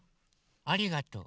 ありがとう。